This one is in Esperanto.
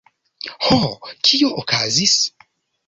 Ho? Kio okazis?